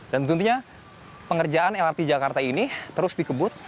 dan tentunya pengerjaan lrt jakarta ini terus dikebut